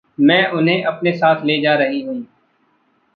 मैं उन्हें अपने साथ ले जा रही हूँ।